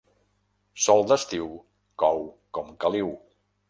Sol d'estiu cou com caliu.